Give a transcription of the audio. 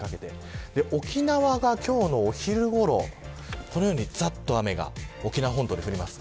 沖縄が今日のお昼ごろにざっと雨が沖縄本島で降ります。